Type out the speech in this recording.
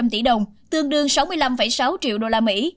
năm trăm linh tỷ đồng tương đương sáu mươi năm sáu triệu đô la mỹ